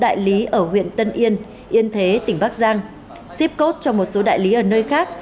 đại lý ở huyện tân yên yên thế tỉnh bắc giang shipos cho một số đại lý ở nơi khác